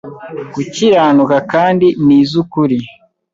gukiranuka kandi ni iz ukuri